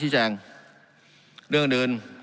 การปรับปรุงทางพื้นฐานสนามบิน